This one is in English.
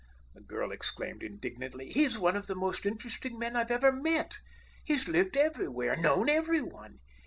The girl exclaimed indignantly: "He's one of the most interesting men I've ever met! He's lived everywhere, known every one.